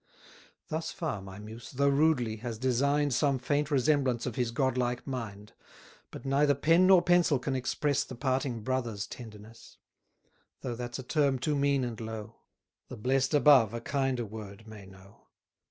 Thus far my Muse, though rudely, has design'd Some faint resemblance of his godlike mind: But neither pen nor pencil can express The parting brothers' tenderness: Though that's a term too mean and low; The blest above a kinder word may know.